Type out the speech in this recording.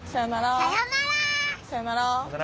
さようなら。